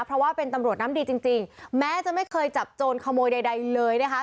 เพราะว่าเป็นตำรวจน้ำดีจริงจริงแม้จะไม่เคยจับโจรขโมยใดเลยนะคะ